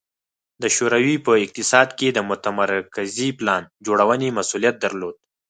د شوروي په اقتصاد کې د متمرکزې پلان جوړونې مسوولیت درلود